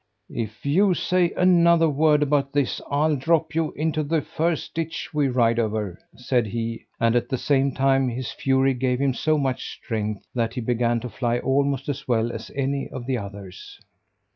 "If you say another word about this, I'll drop you into the first ditch we ride over!" said he, and at the same time his fury gave him so much strength that he began to fly almost as well as any of the others.